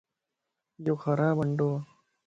يو خراب ھنڊوَ